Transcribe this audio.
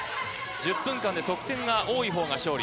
１０分間で得点が多いほうが勝利。